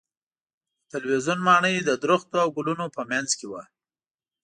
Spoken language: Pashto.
د تلویزیون ماڼۍ د درختو او ګلونو په منځ کې وه.